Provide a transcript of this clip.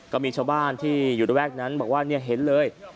ก็มีชาวบ้านที่อยู่ระแวกนั้นบอกว่าเห็นเลย